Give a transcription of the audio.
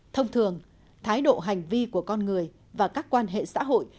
thông thường thái độ hành vi của con người và các quan hệ xã hội